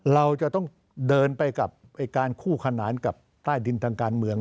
เราจะต้องเดินไปกับการคู่ขนานกับใต้ดินทางการเมือง